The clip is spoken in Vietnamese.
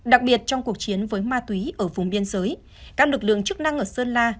đặc biệt trong cuộc chiến với ma túy ở vùng biên giới các lực lượng chức năng ở sơn la